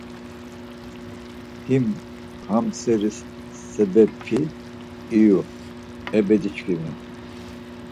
Hiim ham seri sebep̌i iyu, e bedişǩimi!